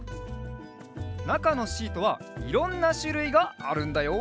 なかのシートはいろんなしゅるいがあるんだよ。